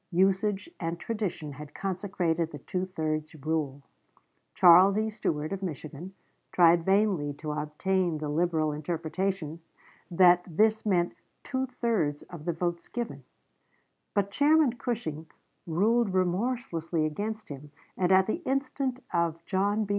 Usage and tradition had consecrated the two thirds rule. Charles E. Stuart, of Michigan, tried vainly to obtain the liberal interpretation, that this meant "two thirds of the votes given," but Chairman Cushing ruled remorselessly against him, and at the instance of John B.